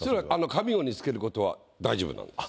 上五につけることは大丈夫なんです。